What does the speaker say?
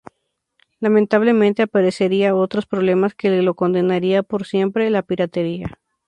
Lamentablemente aparecería otros problemas que lo condenaría por siempre: la piratería.